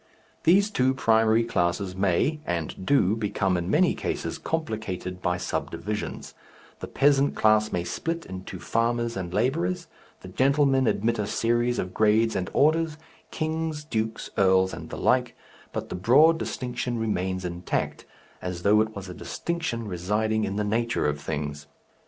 These two primary classes may and do become in many cases complicated by subdivisions; the peasant class may split into farmers and labourers, the gentlemen admit a series of grades and orders, kings, dukes, earls, and the like, but the broad distinction remains intact, as though it was a distinction residing in the nature of things.